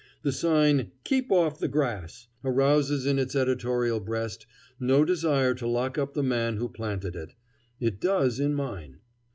The sign "Keep off the grass!" arouses in its editorial breast no desire to lock up the man who planted it; it does in mine.